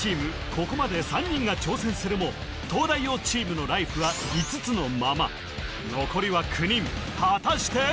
ここまで３人が挑戦するも東大王チームのライフは５つのまま残りは９人果たして？